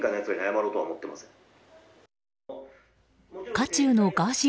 渦中のガーシー